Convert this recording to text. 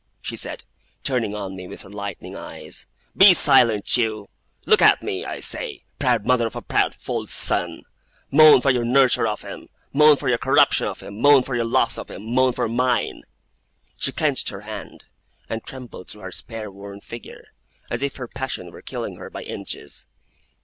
she said, turning on me with her lightning eyes. 'Be silent, you! Look at me, I say, proud mother of a proud, false son! Moan for your nurture of him, moan for your corruption of him, moan for your loss of him, moan for mine!' She clenched her hand, and trembled through her spare, worn figure, as if her passion were killing her by inches.